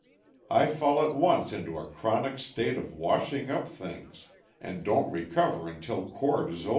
I fall at once into a chronic state of washing up things, and don't recover until court is over."